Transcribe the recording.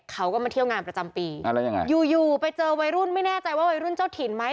เขาก็มาเที่ยวงานประจำปีอ่าแล้วยังไงอยู่อยู่ไปเจอวัยรุ่นไม่แน่ใจว่าวัยรุ่นเจ้าถิ่นไหม